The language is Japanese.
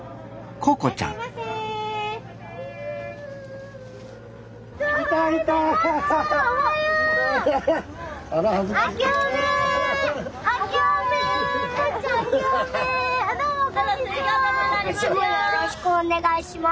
今年もよろしくお願いします。